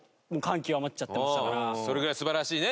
それぐらい素晴らしいね。